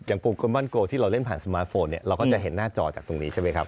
โปรโมนโกที่เราเล่นผ่านสมาร์ทโฟนเนี่ยเราก็จะเห็นหน้าจอจากตรงนี้ใช่ไหมครับ